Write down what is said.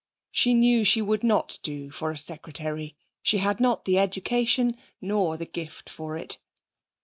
She knew she would not do for a secretary; she had not the education nor the gift for it.